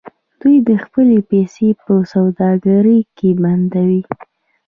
دوی خپلې پیسې په سوداګرۍ کې بندوي.